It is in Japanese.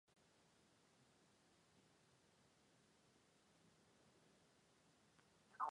ｄｄｖ れあうれい ｆ け ｆ るいええあ ｖｋｆ れあ ｖ け ｒｖ け ｒｖ れいへはうふぁういえ